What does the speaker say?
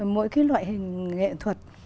mỗi cái loại hình nghệ thuật